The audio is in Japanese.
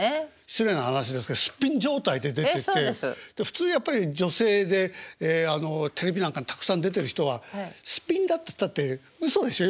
失礼な話ですけどスッピン状態で出てて普通やっぱり女性でテレビなんかにたくさん出てる人はスッピンだっつったってうそでしょ。